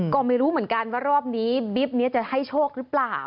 ก็ไม่รู้เหมือนกันว่ารอบนี้บิ๊บนี้จะให้โชคหรือเปล่า